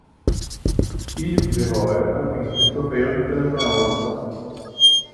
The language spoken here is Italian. Il Beroe ha vinto il trofeo per la prima volta.